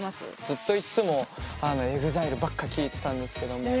ずっといっつもＥＸＩＬＥばっか聴いてたんですけども。